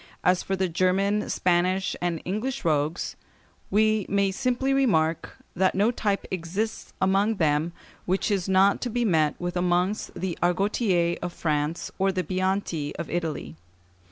As for the German (Figs. 382 and 383), Spanish, and English rogues, we may simply remark that no type exists among them which is not to be met with amongst the Argotiers of France or the Bianti of Italy.